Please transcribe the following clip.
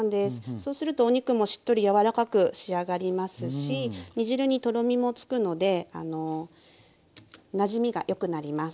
そうするとお肉もしっとり柔らかく仕上がりますし煮汁にとろみもつくのでなじみがよくなります。